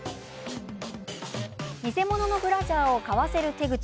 偽物のブラジャーを買わせる手口。